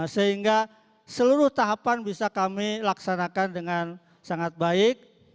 sehingga seluruh tahapan bisa kami laksanakan dengan sangat baik